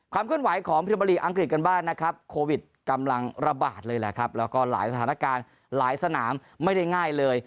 ความเคลื่อนไหวของพิรมลีอังกฤษกันบ้างนะครับโควิดกำลังระบาดเลยแหละครับแล้วก็หลายสถานการณ์หลายสนามไม่ได้ง่ายเลย